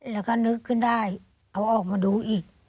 แล้วก็นึกขึ้นได้เอาออกมาดูอีก